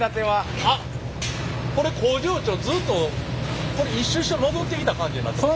あっこれ工場長ずっとこれ１周して戻ってきた感じになってますね。